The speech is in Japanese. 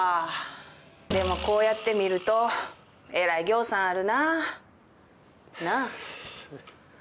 でもこうやって見るとえらいぎょうさんあるなぁ。なあ？